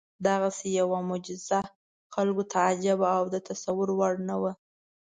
دغسې یوه معجزه خلکو ته عجیبه او د تصور وړ نه وه.